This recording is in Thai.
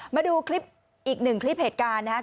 มาดูคลิปอีกหนึ่งคลิปเหตุการณ์นะครับ